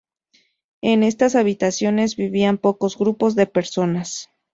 En estas habitaciones vivían pocos grupos de personas.